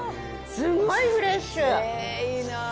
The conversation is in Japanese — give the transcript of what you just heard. すごいフレッシュ。